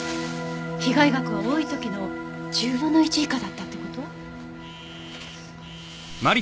被害額は多い時の１０分の１以下だったって事？